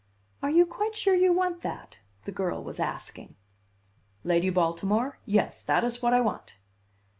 "Are you quite sure you want that?" the girl was asking. "Lady Baltimore? Yes, that is what I want."